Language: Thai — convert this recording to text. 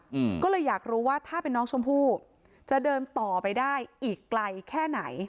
อืมก็เลยอยากรู้ว่าถ้าเป็นน้องชมพู่จะเดินต่อไปได้อีกไกลแค่ไหน